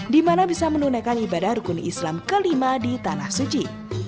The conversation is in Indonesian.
di mana bisa menunaikan ibadah rukun islam kelima di tanah suci